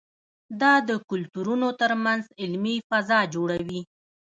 دا د کلتورونو ترمنځ علمي فضا جوړوي.